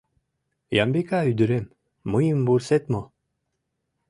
Ямбика ӱдырем, мыйым вурсет мо?